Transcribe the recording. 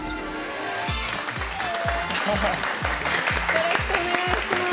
よろしくお願いします。